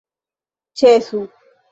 ĉesu